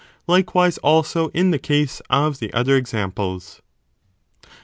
Likewise also in the case of the 25 other examples.